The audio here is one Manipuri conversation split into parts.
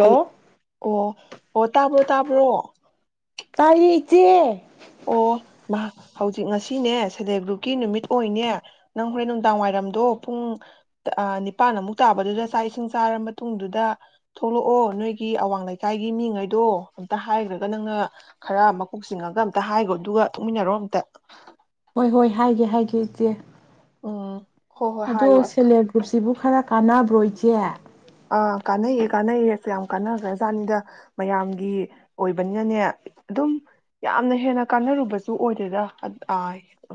ꯍꯂ ꯑꯣ ꯑꯣ ꯇꯥꯕ꯭ꯔꯣ ꯇꯥꯕ꯭ꯔꯣ ꯇꯥꯏꯌꯦ ꯏꯆꯦ ꯑꯣ ꯃꯥ ꯍꯧꯖꯤꯛ ꯉꯁꯤꯅꯦ ꯁꯦꯜꯐ ꯍꯦꯜꯞ ꯒ꯭ꯔꯨꯞꯀꯤ ꯅꯨꯃꯤꯠ ꯑꯣꯏꯅꯦ ꯅꯪ ꯍꯣꯔꯦꯟ ꯅꯨꯡꯗꯥꯡ ꯋꯥꯏꯔꯝꯗꯣ ꯄꯨꯡ ꯅꯤꯄꯥꯟ ꯑꯃꯨꯛ ꯇꯥꯕꯗꯨꯗ ꯆꯥꯛ ꯏꯁꯤꯡ ꯆꯥꯔ ꯃꯇꯨꯡꯗꯨꯗ ꯊꯣꯛꯂꯛꯑꯣ ꯅꯣꯏꯒꯤ ꯑꯋꯥꯡ ꯂꯩꯀꯥꯏꯒꯤ ꯃꯤꯉꯩꯗꯣ ꯑꯝꯇ ꯍꯥꯏꯈ꯭ꯔꯒ ꯅꯪꯅ ꯈꯔ ꯃꯀꯣꯛ ꯆꯤꯡꯉꯒ ꯑꯝꯇ ꯍꯥꯏꯈꯣ ꯑꯗꯨꯒ ꯊꯣꯛꯃꯤꯟꯅꯔꯣ ꯑꯝꯇ ꯍꯣꯏ ꯍꯣꯏ ꯍꯥꯏꯒꯦ ꯍꯥꯏꯒꯦ ꯏꯆꯦ ꯑꯣ ꯑꯗꯣ ꯁꯦꯜꯞ ꯍꯦꯜꯞ ꯒ꯭ꯔꯨꯞꯁꯤꯕꯨ ꯈꯔ ꯀꯥꯟꯅꯕ ꯍꯣ ꯏꯆꯦ! ꯑꯥ ꯀꯥꯟꯅꯩꯌꯦ ꯀꯥꯟꯅꯩꯌꯦꯁꯨ ꯌꯥꯝ ꯀꯥꯟꯅꯈ꯭ꯔ ꯖꯥꯠꯅꯤꯗ ꯃꯌꯥꯝꯒꯤ ꯑꯣꯏꯕꯅꯤꯅꯅꯦ ꯑꯗꯨꯝ ꯌꯥꯝꯅ ꯍꯦꯟꯅ ꯀꯥꯟꯅꯔꯨꯕꯁꯨ ꯑꯣꯏꯗꯦ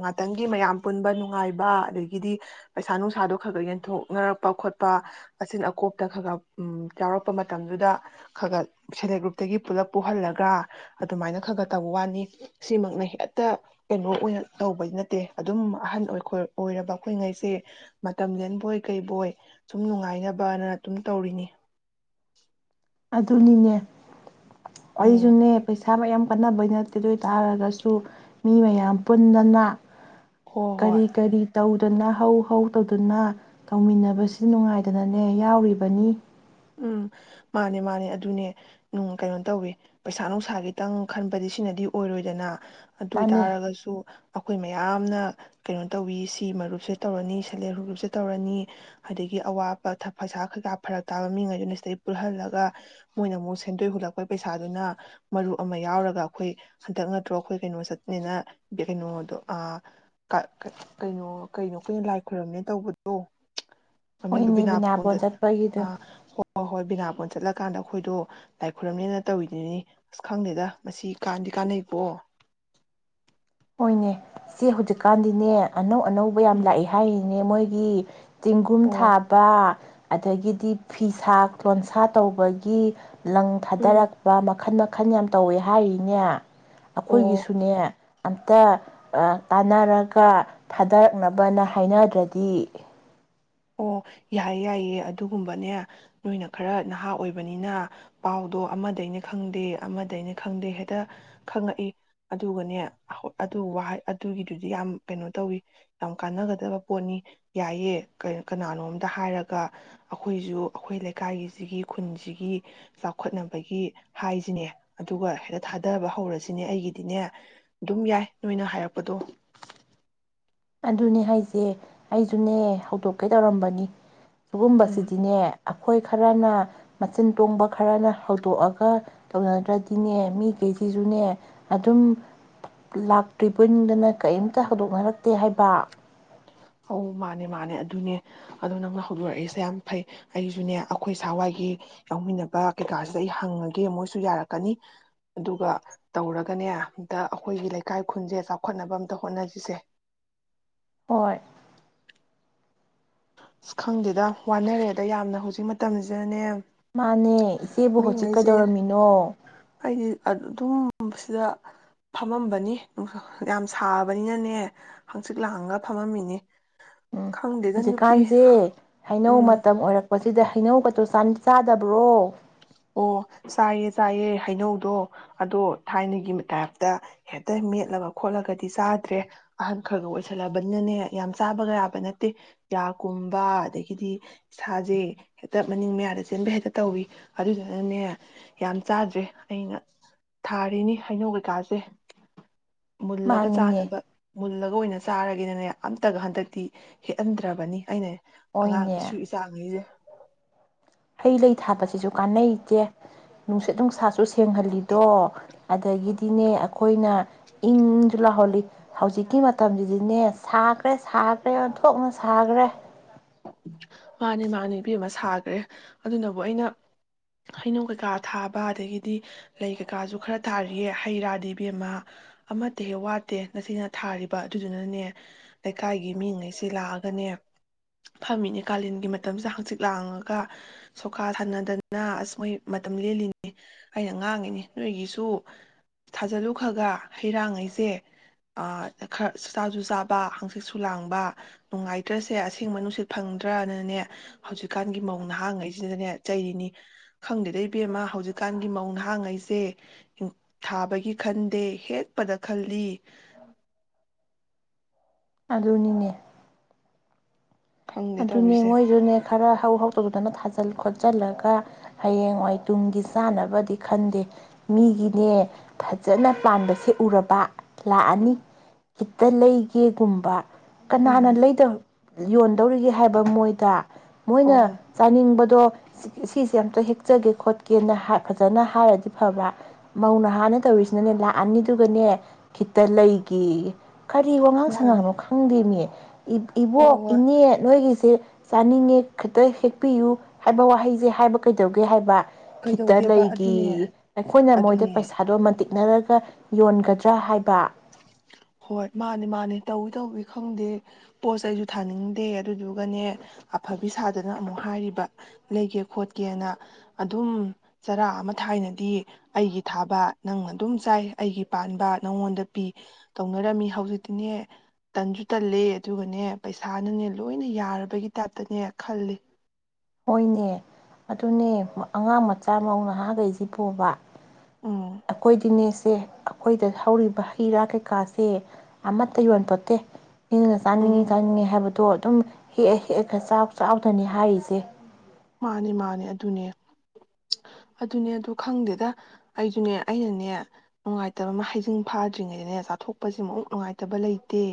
ꯉꯇꯪꯒꯤ ꯃꯌꯥꯝ ꯄꯨꯟꯕ ꯅꯨꯡꯉꯥꯏꯕ ꯑꯗꯒꯤꯗꯤ ꯄꯩꯁꯥ ꯅꯨꯡꯁꯥꯗꯣ ꯈꯔ ꯈꯔ ꯌꯦꯟꯊꯣꯛꯅꯔꯛꯄ ꯈꯣꯠꯄ ꯑꯁꯤꯅ ꯑꯀꯣꯝ ꯍꯛꯇ ꯈ ꯈꯔ ꯌꯥꯎꯔꯛꯄ ꯃꯇꯝꯗꯨꯗ ꯈ ꯈꯔ ꯁꯦꯜꯐ ꯍꯦꯜꯞ ꯒ꯭ꯔꯨꯞꯇꯒꯤ ꯄꯨꯂꯞ ꯄꯨꯍꯜꯂꯒ ꯑꯗꯨꯃꯥꯏꯅ ꯈ ꯈꯔ ꯇꯧꯕ ꯋꯥꯅꯤ ꯁꯤꯃꯛꯅ ꯍꯦꯛꯇ ꯀꯩꯅꯣ ꯑꯣꯏꯅ ꯇꯧꯕꯗꯤ ꯅꯠꯇꯦ ꯑꯗꯨꯝ ꯑꯍꯟ ꯑꯣꯏ ꯑꯣꯏꯔꯕ ꯑꯩꯈꯣꯏꯉꯩꯁꯦ ꯃꯇꯝꯂꯦꯟꯕꯣꯏ ꯀꯩꯕꯣꯏ ꯁꯨꯝ ꯅꯨꯡꯉꯥꯏꯅꯕꯅ ꯑꯗꯨꯝ ꯇꯧꯔꯤꯅꯤ꯫ ꯑꯗꯨꯅꯤꯅꯦ꯫ ꯎꯝ ꯑꯩꯁꯨꯅꯦ ꯄꯩꯁꯥ ꯃꯌꯥꯝ ꯅꯕꯩ ꯅꯠꯇꯦ ꯑꯗꯨ ꯑꯣꯏꯇꯥꯥꯔꯒꯁꯨ ꯃꯤ ꯃꯌꯥꯝ ꯄꯨꯟꯗꯅ ꯍꯣꯏ ꯍꯣꯏ ꯀꯔꯤ - ꯀꯔꯤ ꯇꯧ ꯇꯧꯗꯅ ꯍꯧ- ꯍꯧ ꯇꯧꯗꯨꯅ ꯇꯧꯃꯤꯟꯅꯕꯁꯤ ꯅꯨꯡꯉꯥꯏꯗꯅꯅꯦ ꯌꯥꯎꯔꯤꯕꯅꯤ꯫ ꯎꯝ ꯃꯥꯅꯦ- ꯃꯥꯅꯦ ꯑꯗꯨꯅꯦ ꯀꯩꯅꯣ ꯇꯧꯋ ꯄꯩꯁꯥ ꯅꯨꯡꯁꯥ ꯈꯤꯇꯪ ꯈꯟꯕꯗꯤ ꯁꯤꯅꯗꯤ ꯑꯣꯏꯔꯣꯏꯗꯅ꯫ ꯑꯗꯨ ꯃꯥꯅꯦ ꯑꯣꯏꯇꯥꯔꯒꯁꯨ ꯑꯩꯈꯣꯏ ꯃꯌꯥꯝꯅ ꯀꯩꯅꯣ ꯇꯧꯋꯤ ꯁꯤ ꯃꯔꯨꯞꯁꯦ ꯇꯧꯔꯅꯤ ꯁꯦꯜꯞ ꯍꯦꯜꯞ ꯒ꯭ꯔꯨꯞꯁꯦ ꯇꯧꯔꯅꯤ ꯑꯗꯒꯤ ꯑꯋꯥꯕ ꯄꯩꯁꯥ ꯀꯩꯀꯥ ꯐꯔꯛ ꯇꯥꯕ ꯃꯤꯉꯩꯗꯨꯅ ꯁꯤꯗꯩ ꯄꯨꯜꯍꯜꯂꯒ ꯃꯣꯏꯅ ꯑꯃꯨꯛ ꯁꯦꯟꯗꯣꯏ ꯍꯨꯜꯂꯛꯄꯒꯤ ꯄꯩꯁꯥꯗꯨꯅ ꯃꯔꯨꯞ ꯑꯃ ꯌꯥꯎꯔꯒ ꯑꯩꯈꯣꯏ ꯍꯟꯗꯛ ꯅꯠꯇ꯭ꯔꯣ ꯑꯩꯈꯣꯏ ꯀꯩꯅꯣ ꯆꯠꯅꯤꯅ ꯀꯩꯅꯣꯗꯣ ꯀꯩꯅꯣ ꯀꯩꯅꯣ ꯑꯈꯣꯏꯅ ꯂꯥꯏ ꯈꯣꯏꯔꯝꯅꯦ ꯇꯧꯕꯗꯣ꯫ ꯃꯃꯤꯡꯗꯣ ꯍꯣꯏꯅꯦ ꯕꯤꯅꯥ ꯕꯣꯟ ꯕꯤꯅꯥꯄꯣꯟ ꯆꯠꯄꯒꯤꯗꯣ ꯑꯥ ꯍꯣꯏ- ꯍꯣꯏ ꯕꯤꯅꯥꯄꯣꯟ ꯆꯠꯂꯒ ꯀꯥꯟꯗ ꯑꯩꯈꯣꯏꯗꯣ ꯂꯥꯏ ꯈꯨꯣꯏꯔꯝꯅꯦꯅ ꯇꯧꯔꯤꯗꯨꯅꯤ ꯑꯁ ꯈꯪꯗꯦꯗ ꯃꯁꯤ ꯀꯥꯟꯗꯤ ꯀꯥꯟꯅꯩꯀꯣ꯫ ꯍꯣꯏꯅꯦ ꯁꯤ ꯍꯧꯖꯤꯛꯀꯥꯟꯗꯤꯅꯦ ꯑꯅꯧ ꯑꯅꯧꯕ ꯌꯥꯝꯅ ꯎꯝ ꯂꯥꯛꯑꯦ ꯍꯥꯏꯔꯤ꯫ ꯃꯣꯏꯒꯤ ꯆꯦꯡꯒꯨꯝ ꯑꯣ ꯊꯥꯕ ꯑꯗꯒꯤꯗꯤ ꯐꯤꯁꯥ ꯂꯣꯟꯁꯥ ꯇꯧꯕꯒꯤ꯫ ꯂꯪ ꯎꯝ ꯊꯥꯗꯔꯛꯄ ꯃꯈꯜ ꯃ ꯃꯈꯟ ꯌꯥꯝ ꯇꯧꯋꯦ ꯍꯥꯏꯔꯤꯅꯦ꯫ ꯑꯣ ꯑꯩꯈꯣꯏꯒꯤꯁꯨꯅꯦ ꯑꯝꯇ ꯇꯥꯟꯅꯔꯒ ꯊꯥꯗꯔꯛꯅꯕꯅ ꯍꯥꯏꯅꯗ꯭ꯔꯗꯤ ꯑꯣ ꯌꯥꯏ ꯌꯥꯏꯌꯦꯦ ꯑꯗꯨꯒꯨꯝꯕꯅꯦ ꯅꯣꯏꯅ ꯈꯔ ꯅꯍꯥ ꯑꯣꯏꯕꯅꯤꯅ ꯄꯥꯎꯗꯣ ꯑꯃꯗꯩꯅ ꯈꯪꯗꯦ ꯑꯃꯗꯩꯅ ꯈꯪꯗꯦ ꯍꯦꯛꯇ ꯈꯪꯉꯛꯏ ꯑꯗꯨꯒꯅꯦ ꯑꯗꯨ ꯋꯥ ꯑꯗꯨꯒꯤꯗꯨꯗꯤ ꯌꯥꯝ ꯀꯩꯅꯣ ꯇꯧꯋꯤ ꯌꯥꯝ ꯀꯥꯟꯅꯒꯗꯕ ꯄꯣꯠꯅꯤ ꯌꯥꯏꯌꯦ꯫ ꯀꯅꯥꯅꯣꯝꯇ ꯍꯥꯏꯔꯒ ꯑꯩꯈꯣꯏꯖꯨ ꯑꯩꯈꯣꯏ ꯂꯩꯀꯥꯏꯒꯤꯁꯤꯒꯤ ꯈꯨꯟꯁꯤꯒꯤ ꯆꯥꯎꯈꯠꯅꯕꯒꯤ ꯍꯥꯏꯖꯤꯅꯦ ꯑꯗꯨꯒ ꯍꯦꯛꯇ ꯊꯥꯗꯕ ꯍꯧꯔꯖꯤꯅꯦ ꯑꯩꯒꯤꯗꯤꯅꯦ ꯑꯗꯨꯝ ꯌꯥꯏ ꯅꯣꯏꯅ ꯍꯥꯏꯔꯛꯄꯗꯣ꯫ ꯑꯗꯨꯅꯦ ꯍꯥꯏꯁꯦ ꯑꯩꯁꯨꯅꯦ ꯍꯧꯗꯣꯛꯀꯦ ꯇꯧꯔꯝꯕꯅꯤ꯫ ꯎꯝ ꯁꯤꯒꯨꯝꯕꯁꯤꯗꯤꯅꯦ ꯑꯩꯈꯣꯏ ꯈꯔꯅ ꯃꯆꯤꯟ ꯇꯣꯡꯕ ꯈꯔꯅ ꯍꯧꯗꯣꯛꯑꯒ ꯇꯧꯅꯗ꯭ꯔꯗꯤꯅꯦ ꯃꯤꯈꯩꯁꯤꯁꯨꯅꯦ ꯑꯗꯨꯝ ꯂꯥꯛꯇ꯭ꯔꯤ ꯕꯣꯏ ꯅꯤꯡꯗꯅ ꯀꯔꯤꯝꯇ ꯍꯧꯗꯣꯛꯅꯔꯛ ꯇꯦ ꯍꯥꯏꯕ꯫ ꯑꯧ ꯃꯥꯅꯦ- ꯃꯥꯅꯦ ꯑꯗꯨꯅꯦ ꯑꯗꯣ ꯅꯪꯅ ꯍꯧꯗꯣꯔꯛꯏꯁꯦ ꯌꯥꯝ ꯐꯩ ꯑꯩꯁꯨꯅꯦ ꯑꯩꯈꯣꯏ ꯁꯥꯋꯥꯏꯒꯤ ꯌꯥꯎꯃꯤꯟꯅꯕ ꯀꯩꯀꯥꯁꯤꯗ ꯑꯩ ꯍꯪꯉꯒꯦ ꯃꯣꯏꯁꯨ ꯌꯥꯔꯛꯀꯅꯤ ꯑꯗꯨꯒ ꯇꯧꯔꯒꯅꯦ ꯑꯝꯇ ꯑꯩꯈꯣꯏꯒꯤ ꯂꯩꯀꯥꯏ ꯈꯨꯟꯁꯦ ꯆꯥꯎꯈꯠꯅꯕ ꯑꯝꯇ ꯍꯣꯠꯅꯁꯤꯁꯦ꯫ ꯍꯣꯏ꯫ ꯈꯪꯗꯦꯗ ꯋꯥꯅꯔꯦ ꯑꯗ ꯌꯥꯝꯅ ꯍꯧꯖꯤꯛ ꯃꯇꯝꯁꯤꯗꯅꯦ ꯃꯥꯅꯦ ꯏꯆꯦꯕꯨ ꯍꯧꯖꯤꯛ ꯃꯤꯉꯩꯁꯦ ꯀꯩꯗꯧꯔꯝꯃꯤꯅꯣ? ꯑꯩꯗꯤ ꯑꯗꯨꯝ ꯁꯤꯗ ꯐꯝꯃꯝꯕꯅꯤ ꯅꯨꯡꯁꯥ ꯌꯥꯝ ꯁꯥꯕꯅꯤꯅꯅꯦ ꯍꯪꯆꯤꯠ ꯂꯥꯡꯒ ꯐꯝꯃꯝꯃꯤꯅꯤ꯫ ꯈꯪꯗꯦꯒ ꯅꯨ ꯁꯦ ꯍꯩꯅꯧ ꯃꯇꯝ ꯑꯣꯏꯔꯛ ꯄꯁꯤꯗ ꯍꯩꯅꯧ ꯒꯗꯪ ꯆꯥꯗꯕ꯭ꯔꯣ? ꯑꯣ ꯆꯥꯏꯌꯦ- ꯆꯥꯏꯌꯦ ꯍꯩꯅꯧꯗꯣ ꯑꯗꯣ ꯊꯥꯏꯅꯒꯤ ꯇꯥꯏꯞꯇ ꯍꯦꯛꯇ ꯃꯦꯠꯂꯒ ꯈꯣꯠꯂꯒꯗꯤ ꯆꯥꯗ꯭ꯔꯦ ꯑꯍꯟ ꯈꯔꯒ ꯑꯣꯏꯁꯜꯂꯕꯅꯤꯅꯅꯦ ꯌꯥꯝ ꯆꯥꯕꯒ ꯌꯥꯕ ꯅꯠꯇꯦ ꯌꯥ ꯀꯨꯝꯕ ꯑꯗꯒꯤꯗꯤ ꯏꯁꯥꯁꯦ ꯍꯦꯛꯇ ꯃꯅꯤꯡ ꯃꯌꯥꯗ ꯆꯦꯟꯕ ꯍꯦꯛꯇ ꯇꯧꯋꯤ꯫ ꯑꯗꯨꯗꯨꯅꯅꯦ ꯌꯥꯝ ꯆꯥꯗ꯭ꯔꯦ ꯑꯩꯅ ꯊꯥꯔꯤꯅꯤ ꯍꯩꯅꯧ ꯀꯩꯀꯥꯁꯦ꯫ ꯃꯨꯜꯂꯒ ꯃꯥꯅꯤꯅꯦ ꯆꯥꯟꯅꯕ ꯃꯨꯜꯂꯒ ꯑꯣꯏꯅ ꯆꯥꯔꯒꯤꯅꯅꯦ ꯑꯝꯇꯒ ꯍꯟꯗꯛꯇꯤ ꯍꯦꯛꯍꯟꯗ꯭ꯔꯕꯅꯤ ꯑꯩꯅ ꯑꯉꯥꯡ ꯍꯣꯏꯅꯦ ꯏꯁꯨ ꯏꯆꯥ ꯉꯩꯖ꯫ ꯍꯩ - ꯂꯩ ꯊꯥꯕꯁꯤꯁꯨ ꯀꯥꯟꯅꯩ ꯏꯆꯦ꯫ ꯅꯨꯡꯁꯤꯠ - ꯅꯨꯪꯁꯥ ꯁꯨ ꯁꯦꯡ ꯍꯜꯂꯤꯗꯣ ꯑꯗꯒꯤꯗꯤꯅꯦ ꯑꯩꯈꯣꯏꯅ ꯏꯪ ꯏꯪ ꯖꯨ ꯂꯥꯎꯍꯜꯂꯤ ꯍꯧꯖꯤꯛꯀꯤ ꯃꯇꯝꯁꯤꯗꯤꯅꯦ ꯁꯥꯈ꯭ꯔꯦ - ꯁꯥꯈ꯭ꯔꯦ ꯑꯣꯟꯊꯣꯛꯅ ꯁꯥꯈ꯭ꯔꯦ꯫ ꯃꯥꯅꯦ ꯃꯥꯅꯤ ꯏꯕꯦꯝꯃꯥ ꯁꯥꯈ꯭ꯔꯦ ꯑꯗꯨꯅꯕꯨ ꯑꯩꯅ ꯍꯩꯅꯧ ꯀꯩꯀꯥ ꯊꯥꯕ ꯑꯗꯒꯤꯗꯤ ꯂꯩ ꯀꯩꯀꯥꯁꯨ ꯈꯔ ꯊꯥꯔꯤꯌꯦ ꯍꯩ ꯔꯥ ꯗꯦꯕꯤ ꯑꯃ ꯑꯃꯠꯇ ꯍꯦꯛ ꯋꯥꯠꯇꯦ ꯉꯁꯤꯅ ꯊꯥꯔꯤꯕ ꯑꯗꯨꯗꯨꯅꯅꯦ ꯂꯩꯀꯥꯏꯒꯤ ꯃꯤꯉꯩꯁꯦ ꯂꯥꯛꯑꯒꯅꯦ ꯐꯝꯃꯤꯅꯦ ꯀꯥꯂꯦꯟꯒꯤ ꯃꯇꯝꯁꯤꯗ ꯍꯥꯡꯆꯤꯠ ꯂꯥꯡꯉꯒ ꯁꯣꯈꯥ ꯁꯅꯗꯅ ꯑꯁ ꯃꯣꯏ ꯃꯇꯝ ꯂꯦꯜꯂꯤꯅꯤ ꯑꯩꯅ ꯉꯥꯡꯉꯤꯅꯤ ꯅꯣꯏꯒꯤꯁꯨ ꯊꯥꯖꯜꯂꯨ ꯈ꯭ꯔꯒ ꯍꯩꯔꯥꯡꯉꯩꯁꯦ ꯈꯔ ꯆꯥꯁꯨ ꯆꯥꯕ ꯍꯥꯡꯆꯤꯠꯁꯨ ꯂꯥꯡꯕ ꯅꯨꯡꯉꯥꯏꯇ꯭ꯔꯁꯦ ꯏꯤꯡ ꯃꯅꯨꯡꯅꯨꯡꯁꯤꯠ ꯐꯪꯗ꯭ꯔꯅꯅꯦ ꯍꯧꯖꯤꯛꯀꯥꯟꯒꯤ ꯃꯧ ꯅꯍꯥꯡꯉꯩꯁꯤꯗꯅꯦ ꯆꯩꯔꯤꯅꯤ ꯈꯪꯗꯦꯗ ꯏꯕꯦꯝꯃ ꯍꯧꯖꯤꯛꯀꯥꯟꯒꯤ ꯃꯧ ꯅꯍꯥꯡꯉꯩꯁꯦ ꯊꯥꯕꯒꯤ ꯈꯟꯗꯦ ꯍꯦꯛꯄꯗ ꯈꯜꯂꯤ꯫ ꯑꯗꯨꯅꯤꯅꯦ꯫ ꯈꯪꯗꯦ ꯑꯗꯨꯅꯦ ꯇꯧꯔꯤꯁꯦ ꯃꯣꯏꯁꯨꯅꯦ ꯈꯔ ꯍꯧ ꯇꯧꯗꯅ ꯊꯥꯖꯜ ꯈꯣꯠꯆꯜꯂꯒ ꯍꯌꯦꯡꯋꯥꯏ ꯇꯨꯡꯒꯤ ꯆꯥꯅꯕꯗꯤ ꯈꯟꯗꯦ ꯃꯤꯒꯤꯅꯦ ꯐꯖꯅ ꯄꯥꯟꯕꯁꯦ ꯎꯔꯕ ꯂꯥꯛꯑꯅꯤ꯫ ꯈꯤꯇ ꯂꯩꯒꯦꯒꯨꯝꯕ ꯎꯝ ꯀꯅꯥꯅ ꯎꯝ ꯂꯩꯗ ꯕ ꯌꯣꯟ ꯒꯤ ꯍꯥꯏꯕ ꯃꯣꯏꯗ ꯃꯣꯏꯅ ꯑꯣ ꯆꯥꯅꯤꯡꯕꯗꯣ ꯁꯤꯁꯦ ꯑꯝꯇ ꯍꯦꯛ ꯀꯛꯆꯒꯦ ꯈꯣꯠꯀꯦꯅ ꯍꯥꯏ ꯐꯖꯅ ꯍꯥꯏꯔꯗꯤ ꯐꯕ꯭ꯔꯥ ꯃꯧꯅ ꯅꯥꯍꯥꯅꯦ ꯇꯧꯔꯤꯁꯤꯅꯅꯦ ꯂꯥꯛꯑꯅꯤꯗꯨꯒꯅꯦ ꯈꯤꯇ ꯂꯩꯒꯦ ꯌꯦ ꯀꯔꯤ ꯋꯥꯉꯥꯡ ꯃꯥꯅꯦ ꯁꯉꯥꯡꯅꯣ ꯈꯪꯗꯦ ꯃꯤ ꯍꯣꯏ ꯏꯕꯣꯛ ꯍꯣꯏ ꯏꯅꯦ ꯑꯩꯈꯣꯏꯒꯤꯁꯦ ꯆꯥꯅꯤꯡꯉꯦ ꯈꯤꯇ ꯍꯦꯛꯄꯤꯌꯨ ꯍꯥꯏꯕ ꯋꯥꯍꯩꯁꯦ ꯍꯥꯏꯕ ꯀꯩꯗꯧꯒꯦ ꯍꯥꯏꯕ ꯈꯤꯇ ꯀꯩꯗꯧꯒꯦꯕ ꯑꯗꯨꯅꯦ ꯂꯩꯒꯦꯌꯦ ꯑꯩꯈꯣꯏꯅ ꯃꯣꯏꯗ ꯑꯗꯨꯅꯦ ꯄꯩꯁꯥꯗꯣ ꯃꯟꯇꯤꯛ ꯅꯔꯒ ꯌꯣꯟꯒꯗ꯭ꯔꯥ ꯍꯥꯏꯕ ꯍꯣꯏ ꯃꯥꯅꯦ ꯃꯥꯅꯦ ꯇꯧ [unintelligible] ꯈꯪꯗꯦ ꯄꯣꯠ ꯆꯩ ꯑꯩꯁꯨ ꯊꯥꯅꯤꯡꯗꯦ ꯑꯗꯨꯗꯨꯒꯅꯦ ꯑꯐꯕꯤ ꯁꯥꯗꯅ ꯑꯃꯨꯛ ꯍꯥꯏꯔꯤꯕ ꯂꯩꯒꯦ ꯈꯣꯠꯀꯦꯅ ꯑꯗꯨꯝ ꯆꯔꯥ ꯑꯃ ꯊꯥꯏꯅꯗꯤ ꯑꯩꯒꯤ ꯊꯥꯕ ꯅꯪ ꯑꯗꯨꯝ ꯆꯥꯏ ꯑꯩꯒꯤ ꯄꯥꯟꯕ ꯅꯪꯉꯣꯟꯗ ꯄꯤ ꯇꯧꯅꯔꯝꯃꯤ ꯍꯧꯖꯤꯛꯇꯤꯅꯦ ꯇꯟꯁꯨ ꯇꯜꯂꯦ ꯑꯗꯨꯒꯅꯦ ꯄꯩꯁꯥꯅꯅꯦ ꯂꯣꯏꯅ ꯌꯥꯔꯕꯒꯤ ꯇꯥꯏꯞꯇꯅꯦ ꯈꯜꯂꯤ ꯍꯣꯏꯅꯦ ꯑꯗꯨꯅꯦ ꯑꯉꯥꯡ ꯃꯆꯥ ꯃꯧ ꯅꯍꯥꯈꯩꯁꯤ ꯄꯨꯕ ꯎꯝ ꯑꯩꯈꯣꯏꯗꯤꯅꯦꯁꯤ ꯁꯦ ꯑꯩꯈꯣꯏꯗ ꯍꯧꯔꯤꯕ ꯍꯩ - ꯔꯥ ꯀꯩꯀꯥꯁꯦ ꯑꯃꯠꯇ ꯌꯣꯟꯄꯣꯠꯇꯦ ꯏꯅ ꯎꯝ ꯆꯥꯅꯤꯡꯉꯤ - ꯆꯥꯅꯤꯡꯉꯤ ꯍꯥꯏꯕꯗꯣ ꯑꯗꯨꯝ ꯍꯦꯛꯑ ꯍꯦꯛꯑꯒ ꯆꯥꯎ ꯆꯥꯎꯗꯅꯤ ꯍꯥꯏꯔꯤꯁꯦ ꯃꯥꯅꯦ ꯃꯥꯅꯦ ꯑꯗꯨꯅꯦ ꯑꯗꯨꯅꯦ ꯑꯗꯨ ꯈꯪꯗꯦꯗ ꯑꯩꯁꯨꯅꯦ ꯑꯩꯅꯅꯦ ꯅꯨꯡꯉꯥꯏꯇꯕ ꯑꯃ ꯍꯩꯖꯤꯡ ꯐꯥꯗ꯭ꯔꯤꯉꯩꯗꯅꯦ ꯆꯥꯊꯣꯛꯄꯁꯤꯃꯨꯛ ꯅꯨꯡꯉꯥꯏꯇꯕ ꯂꯩꯇꯦ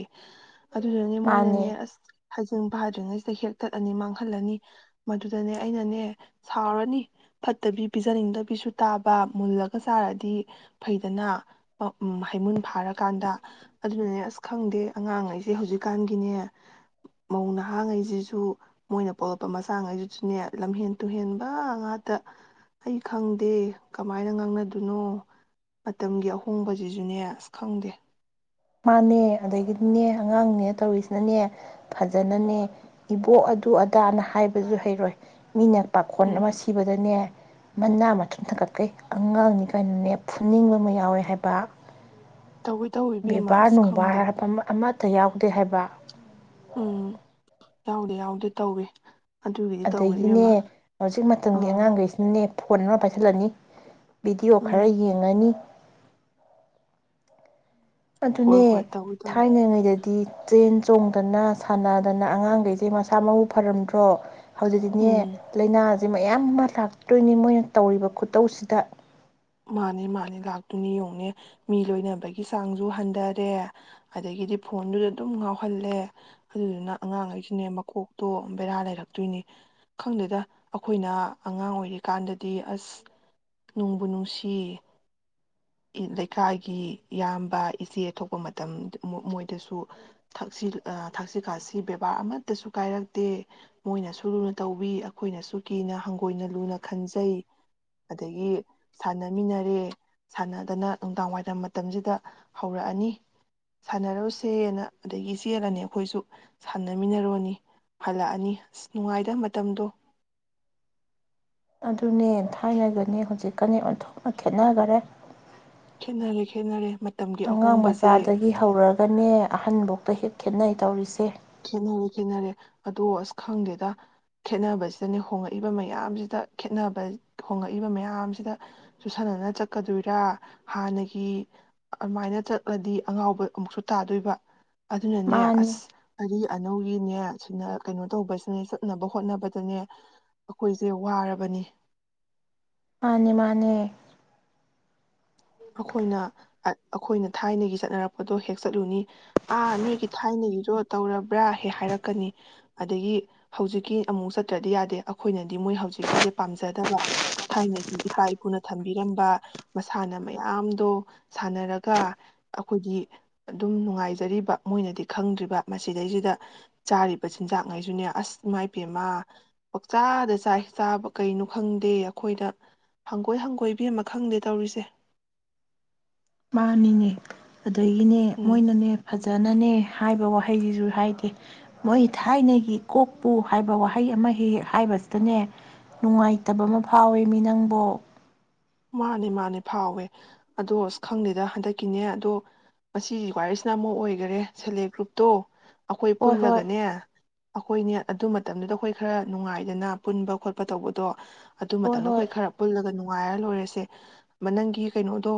ꯑꯗꯨꯗꯨꯅꯦ ꯃꯣꯏꯅꯅꯦ ꯃꯥꯅꯦ ꯑꯁ ꯐꯥꯗ꯭ꯔꯤꯉꯩꯁꯤꯗ ꯍꯦꯛꯛꯇꯠꯂꯅꯤ ꯃꯥꯡꯍꯜꯂꯅꯤ ꯑꯗꯨꯗꯅꯦ ꯑꯩꯅꯅꯦ ꯁꯥꯎꯔꯅꯤ ꯐꯠꯇꯕꯤ ꯄꯤꯖꯅꯤꯡꯗꯕꯤꯁꯨ ꯇꯥꯕ ꯃꯨꯜꯂꯒ ꯆꯥꯔꯗꯤ ꯐꯩꯗꯅ ꯍꯩꯃꯨꯟ ꯐꯥꯔꯀꯥꯟꯗ ꯑꯗꯨꯅꯅꯦ ꯑꯁ ꯈꯪꯗꯦ ꯑꯉꯥꯡꯉꯩꯁꯦ ꯍꯧꯖꯤꯛꯀꯥꯟꯒꯤꯅꯦ ꯃꯧ ꯅꯍꯥꯡꯉꯩꯁꯤꯁꯨ ꯃꯣꯏꯅ ꯄꯣꯛꯂꯛꯄ ꯃꯆꯥꯉꯩꯗꯨ ꯁꯨꯅꯦ ꯂꯝꯍꯦꯟ ꯇꯨꯍꯦꯟꯕ ꯉꯥꯛꯇ ꯑꯩ ꯈꯪꯗꯦ ꯀꯃꯥꯏꯅ ꯉꯥꯡꯅꯗꯣꯏꯅꯣ ꯃꯇꯝꯒꯤ ꯑꯍꯣꯡꯕꯁꯤꯁꯨꯅꯦ ꯑꯁ ꯈꯪꯗꯦ ꯃꯥꯅꯦ ꯑꯗꯒꯤꯗꯤꯅꯦ ꯑꯉꯥꯡꯅꯦ ꯇꯧꯔꯤꯁꯤꯅꯅꯦ ꯐꯖꯅꯅꯦ ꯏꯕꯣꯛ ꯑꯗꯨ ꯑꯗꯥꯅ ꯍꯥꯏꯕꯁꯨ ꯍꯩꯔꯣꯏ ꯃꯤꯅ ꯄꯥꯈꯣꯟ ꯎꯝ ꯑꯃ ꯁꯤꯕꯗꯅꯦ ꯃꯅꯥ ꯃꯊꯨꯝ ꯊꯛ ꯀꯠꯀꯩ ꯑꯉꯥꯡꯅꯤ ꯀꯥꯏꯅꯅꯦ ꯐꯨꯅꯤꯡꯕ ꯑꯃ ꯌꯥꯎꯋꯦ ꯍꯥꯏꯕ ꯇꯧꯋꯤ ꯇꯧꯋꯤ ꯏꯕꯦꯝꯃ ꯕ‌ꯦꯕꯥꯔ ꯑꯁ ꯈꯪꯗꯦ ꯅꯨꯡꯕꯥꯔ ꯍꯥꯕ ꯑꯃꯠ ꯇ ꯌꯥꯎꯗꯦ ꯍꯥꯏꯕ ꯎꯝ ꯌꯥꯎꯗ‌ꯦ ꯌꯥꯎꯗꯦ ꯇꯧꯔꯤ ꯑꯗꯒꯤꯅꯦ ꯍꯧꯖꯤꯛ ꯃꯇꯝꯒꯤ ꯑꯥ ꯑꯉꯥꯡꯈꯩꯁꯤꯅꯅꯦ ꯐꯣꯟ ꯑꯃ ꯄꯥꯏꯁꯤꯜꯂꯅꯤ ꯚꯤꯗꯤꯑꯣ ꯎꯝ ꯈꯔ ꯌꯦꯡꯉꯅꯤ ꯍꯣꯏ ꯑꯗꯨꯅꯦ ꯍꯣꯏ ꯇꯧꯋꯤ ꯇꯧꯋꯤ ꯊꯥꯏꯅꯉꯩꯗ ꯍꯥꯏꯗꯤ ꯆꯦꯟ ꯆꯣꯡꯗꯅ ꯁꯥꯟꯅꯗꯅ ꯑꯉꯥꯡꯈꯩꯁꯦ ꯃꯁꯥ ꯃꯎ ꯐꯔꯝꯗ꯭ꯔꯣ ꯍꯧꯖꯤꯛꯇꯤꯅꯦ ꯎꯝ ꯂꯩꯅꯥ ꯑꯁꯤ ꯃꯌꯥꯝ ꯑꯃ ꯂꯥꯛꯇꯣꯏꯅꯤ ꯃꯣꯏꯅ ꯇꯧꯔꯤꯕ ꯈꯨꯇꯧꯁꯤꯗ ꯃꯥꯅꯦ ꯃꯥꯅꯦ ꯂꯥꯛꯇꯣꯏꯅꯤ ꯌꯦꯡꯉꯅꯦ ꯃꯤ ꯂꯣꯏꯅꯕꯒꯤ ꯆꯥꯡꯁꯨ ꯍꯟꯊꯔꯦ ꯑꯗꯒꯤꯗꯤ ꯐꯣꯟꯗꯨꯗ ꯑꯗꯨꯝ ꯉꯥꯎꯍꯜꯂꯦ ꯑꯗꯨꯗꯨꯅ ꯑꯉꯥꯡꯈꯩꯁꯤꯅꯦ ꯃꯀꯣꯛꯇꯣ ꯕꯦꯔꯥ ꯂꯩꯔꯛꯇꯣꯏꯅꯤ ꯈꯪꯗ‌ꯦꯗ ꯑꯩꯈꯣꯏꯅ ꯑꯉꯥꯡ ꯑꯣꯏꯔꯤꯀꯥꯟꯗꯗꯤ ꯑꯁ ꯅꯨꯡꯕꯨ ꯅꯨꯡ ꯁꯤ ꯂꯩꯀꯥꯏꯒꯤ ꯏꯌꯥꯝꯕ ꯏꯆꯦ ꯑ ꯊꯣꯛꯄ ꯃꯇꯝ ꯃꯣꯏꯗꯁꯨ ꯊꯛꯁꯤ ꯈꯥꯁꯤ ꯕꯦꯕꯥꯔ ꯑꯃꯠꯇꯁꯨ ꯀꯥꯏꯔꯛꯇꯦ ꯃꯣꯏꯅꯁꯨ ꯂꯨꯅ ꯇꯧꯕꯤ ꯑꯩꯈꯣꯏꯅꯁꯨ ꯀꯤꯅ ꯍꯪꯒꯣꯏꯅ ꯂꯨꯅ ꯈꯟꯖꯩ ꯑꯗꯒꯤ ꯁꯥꯟꯅꯃꯤꯟꯅꯔꯦ ꯁꯥꯟꯅꯗꯅ ꯅꯨꯡꯗꯥꯡꯋꯥꯏꯔꯝ ꯃꯇꯝꯁꯤꯗ ꯍꯧꯔꯛꯑꯅꯤ ꯁꯥꯟꯅꯔꯨꯁꯦꯅ ꯑꯗꯒꯤ ꯆꯦꯜꯂꯅꯤ ꯑꯩꯈꯣꯏꯁꯨ ꯁꯥꯟꯅꯃꯤꯟꯅꯔꯨꯔꯅꯤ ꯍꯜꯂꯛꯑꯅꯤ ꯑꯁ ꯅꯨꯡꯉꯥꯏꯇꯕ ꯃꯇꯝꯗꯣ ꯑꯗꯨꯅꯦ ꯊꯥꯏꯅꯒꯅꯤ ꯍꯧꯖꯤꯛꯀꯅꯤ ꯑꯣꯟꯊꯣꯛꯅ ꯈꯦꯅꯈꯔꯦ ꯈ‌ꯦꯅꯔ‌ꯦ ꯈ‌ꯦꯅꯔ‌ꯦ ꯑꯉꯥꯡ ꯃꯆꯥꯗꯒꯤ ꯍꯧꯔꯒꯅꯦ ꯑꯍꯟꯕꯧ ꯍꯦꯛ ꯈꯦꯠꯅꯩ ꯇꯧꯔꯤꯁꯦ ꯈꯦꯠꯅꯔꯦ ꯈꯦꯠꯅꯔꯦ ꯑꯗꯣ ꯑꯁ ꯈꯪꯗꯦꯗ ꯈꯦꯠꯅꯕꯁꯤꯗꯅꯦ ꯍꯣꯡꯉꯛꯏꯕ ꯃꯌꯥꯝꯁꯤꯗ ꯈꯦꯅꯕ ꯍꯣꯡꯉꯛꯏꯕ ꯃꯌꯥꯝꯁꯤꯗꯁꯨꯨ ꯆꯨꯁꯟꯅꯅ ꯆꯠꯀꯗꯣꯏꯔꯥ ꯍꯥꯟꯅꯒꯤ ꯑꯗꯨꯃꯥꯏꯅ ꯆꯠꯂꯗꯤ ꯑꯉꯥꯎꯕ ꯑꯃꯨꯛꯁꯨ ꯇꯥꯗꯣꯏꯕ ꯑꯗꯨꯅꯅꯦ ꯃꯥꯅꯤ ꯑꯁ ꯑꯔꯤ ꯑꯅꯧꯒꯤꯅꯦ ꯁꯅ ꯀꯩꯅꯣ ꯇꯧꯕꯁꯤꯅꯦ ꯆꯠꯅꯕ ꯍꯣꯠꯅꯕꯗꯅꯦ ꯑꯩꯈꯣꯏꯁꯦ ꯋꯥꯔꯕꯅꯤ ꯃꯥꯅꯤ ꯃꯥꯅꯦ ꯑꯩꯈꯣꯏꯅ ꯑꯩꯈꯣꯏꯅ ꯊꯥꯏꯅꯒꯤ ꯆꯠꯅꯔꯛꯄꯗꯣ ꯍꯦꯛ ꯆꯠꯂꯨꯅꯤ ꯑꯥ ꯅꯣꯏꯒꯤ ꯊꯥꯏꯅꯒꯤꯗꯣ ꯇꯧꯔꯕ꯭ꯔꯥ ꯍꯦꯛ ꯍꯥꯏꯔꯛꯀꯅꯤ ꯑꯗꯒꯤ ꯍꯧꯖꯤꯛꯀꯤ ꯑꯃꯨꯛ ꯆꯠꯇ꯭ꯔꯗꯤ ꯌꯥꯗꯦ ꯑꯩꯈꯣꯏꯅꯗꯤ ꯃꯣꯏ ꯍꯧꯖꯤꯛꯀꯤꯁꯦ ꯄꯥꯝꯖꯗꯕ ꯊꯥꯏꯅꯒꯤ ꯏꯄꯥ ꯏꯄꯨꯅ ꯊꯝꯕꯤꯔꯝꯕ ꯁꯥꯟꯅ ꯃꯌꯥꯝꯗꯣ ꯁꯥꯟꯅꯔꯒ ꯑꯩꯈꯣꯏꯒꯤ ꯑꯗꯨꯝ ꯅꯨꯡꯉꯥꯏꯖꯔꯤꯕ ꯃꯣꯏꯅꯗꯤ ꯈꯪꯗ꯭ꯔꯤꯕ ꯃꯁꯤꯗꯩꯁꯤꯗ ꯆꯥꯔꯤꯕ ꯆꯤꯟꯖꯥꯛꯉꯩꯁꯨꯅꯦ ꯑꯁ ꯏꯃꯥꯏ ꯏ ꯄꯦꯝꯃ ꯄꯥꯛꯆꯥꯗ ꯆꯥꯏ ꯆꯥꯕ ꯀꯩꯅꯣ ꯈꯪꯗꯦ ꯑꯩꯈꯣꯏꯗ ꯍꯪꯒꯣꯏ ꯍꯪꯒꯣꯏꯕꯤ ꯑꯃ ꯈꯪꯗꯦ ꯇꯧꯔꯤꯁꯦ [unintelligible] ꯃꯥꯅꯤꯅ‌ꯦ ꯑꯗꯒꯤꯅꯦ ꯎꯝ ꯃꯣꯏꯅꯅꯦ ꯐꯖꯅꯅꯦ ꯍꯥꯏꯕ ꯋꯥꯍꯩꯁꯤꯁꯨ ꯍꯥꯏꯗꯦ ꯃꯣꯏ ꯊꯥꯏꯅꯒꯤ ꯀꯣꯛꯄꯨ ꯍꯥꯏꯕ ꯋꯥꯍꯩ ꯑꯃ ꯍꯦꯛꯦꯛ ꯍꯥꯏꯕꯁꯤꯗꯅꯦ ꯅꯨꯡꯉꯥꯏꯇꯕ ꯑꯃ ꯐꯥꯎꯋꯦ ꯃꯤ ꯅꯪꯕꯨꯣ ꯃꯥꯅꯦ ꯃꯥꯅꯦ ꯐꯥꯎꯋꯦ ꯑꯗꯣ ꯑꯁ ꯈꯪꯗꯦꯗ ꯍꯟꯗꯛꯀꯤꯅꯦ ꯑꯗꯣ ꯉꯁꯤꯒꯤ ꯋꯥꯔꯤꯁꯤꯅ ꯑꯃ ꯑꯣꯏꯒꯔꯦ ꯁꯦꯜꯂ‌ꯦꯞ ꯒ꯭ꯔꯨꯞꯇꯣ ꯑꯩꯈꯣꯏ ꯍꯣꯏ ꯍꯣꯏ ꯄꯨꯜꯂꯒꯅꯦ ꯑꯩꯈꯣꯏꯅꯦ ꯑꯗꯨ ꯃꯇꯝꯗꯨꯗ ꯑꯩꯈꯣꯏ ꯈꯔ ꯅꯨꯡꯉꯥꯏꯗꯅ ꯄꯨꯟꯕ ꯈꯣꯠꯄ ꯇꯧꯕꯗꯣ꯫ ꯑꯗꯨ ꯍꯣꯏ ꯃꯇꯝꯗ ꯍꯣꯏ ꯑꯩꯈꯣꯏ ꯈꯔ ꯄꯨꯜꯂꯒ ꯅꯨꯡ [unintelligible] ꯅꯪꯒꯤ ꯀꯩꯅꯣꯗꯣ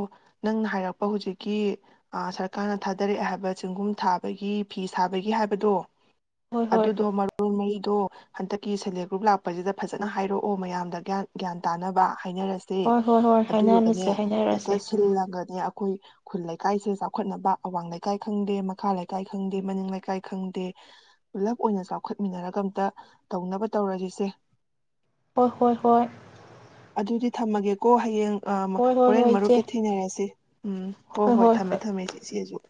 ꯅꯪꯅ ꯍꯥꯏꯔꯛꯄ ꯍꯧꯖꯤꯛꯀꯤ ꯁꯔꯀꯥꯔꯅ ꯊꯥꯗꯔꯛꯑꯦ ꯍꯥꯏꯕ ꯆꯦꯡꯒꯨꯝ ꯊꯥꯕꯒꯤ ꯐꯤ ꯁꯥꯕꯒꯤ ꯍꯥꯏꯕꯗꯣ ꯍꯣꯏ ꯍꯣꯏ ꯑꯗꯨꯗꯣ ꯃꯔꯣꯟ ꯃꯔꯤꯗꯣ ꯍꯟꯗꯛꯀꯤ ꯁꯦꯜꯐ ꯍꯦꯜꯞ ꯒ꯭ꯔꯨꯞ ꯂꯥꯛꯄꯁꯤꯗ ꯐꯖꯅ ꯍꯥꯏꯔꯛꯑꯣ ꯃꯌꯥꯝꯗ ꯒꯌꯥꯟ ꯒ꯭ꯌꯥꯟ ꯇꯥꯅꯕ ꯍꯥꯏꯅꯔꯁꯦ꯫ ꯍꯣꯏ - ꯍꯣꯏ - ꯍꯣꯏ ꯑꯗꯨꯗꯨꯒꯅꯦ ꯍꯥꯏꯅꯂꯁꯦ - ꯍꯦꯛꯇ ꯍꯥꯏꯅꯔꯁꯦ꯫ ꯁꯤꯜꯂꯒꯅꯦ ꯑꯩꯈꯣꯏ ꯈꯨꯜ ꯂꯩꯀꯥꯏꯁꯦ ꯆꯥꯎꯈꯠꯅꯕ ꯑꯋꯥꯡ ꯂꯩꯀꯥꯏ ꯈꯪꯗꯦ ꯃꯈꯥ ꯂꯩꯀꯥꯏ ꯈꯪꯗꯦ ꯃꯅꯤꯡ ꯂꯩꯀꯥꯏ ꯈꯪꯗꯦ ꯄꯨꯂꯞ ꯑꯣꯏꯅ ꯆꯥꯎꯈꯠꯃꯤꯟꯅꯔꯒ ꯑꯝꯇ ꯇꯧꯅꯕ ꯇꯧꯔꯁꯤꯁꯦ꯫ ꯍꯣꯏ- ꯍꯣꯏ- ꯍꯣꯏ꯫ ꯑꯗꯨꯗꯤ ꯊꯝꯃꯒꯦ꯫ ꯀꯣ ꯍꯌꯦꯡ ꯑ ꯍꯣꯏ ꯍꯣꯏ ꯍꯣꯔꯦꯟ ꯍꯣꯏ ꯃꯔꯨꯞꯛꯇ ꯏꯆꯦ ꯊꯦꯡ ꯅꯔꯁꯤ꯫ ꯎꯝ ꯍꯣꯏ - ꯍꯣꯏ ꯊꯝꯃꯦ - ꯊꯝꯃꯦ ꯏꯆꯦꯁꯨ꯫ [inaudible]